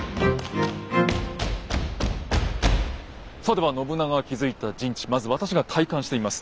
さあでは信長が築いた陣地まず私が体感してみます。